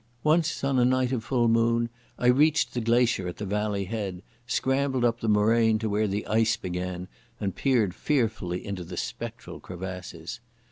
Once on a night of full moon I reached the glacier at the valley head, scrambled up the moraine to where the ice began, and peered fearfully into the spectral crevasses.